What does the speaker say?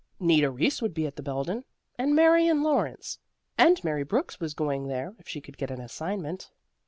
Nita Reese would be at the Belden, and Marion Lawrence; and Mary Brooks was going there if she could get an assignment.